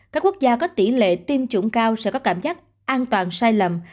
các quốc gia có tỷ lệ tiêm chủng cao sẽ có cảm giác an toàn sai lầm